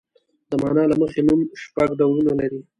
د مانا له مخې نوم شپږ ډولونه لري.